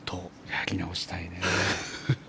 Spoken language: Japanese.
やり直したいね。